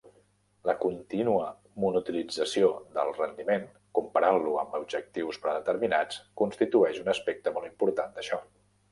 La continua monitorització del rendiment, comparant-lo amb objectius predeterminats, constitueix un aspecte molt important d'això.